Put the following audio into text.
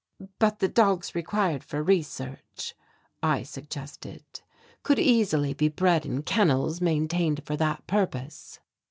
"But the dogs required for research," I suggested, "could easily be bred in kennels maintained for that purpose."